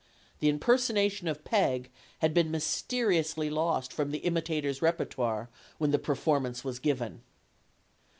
The impersonation of Peg had been mysteriously lost from the imitator's repertoire when the perform ance was given.